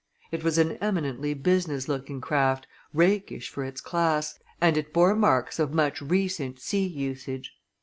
It was an eminently business looking craft, rakish for its class, and it bore marks of much recent sea usage.